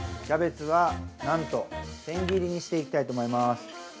キャベツは、なんと千切りにしていきたいと思います。